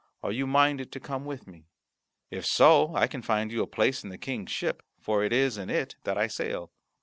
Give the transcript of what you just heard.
Are you minded to come with me? If so, I can find you a place in the King's ship, for it is in it that I sail."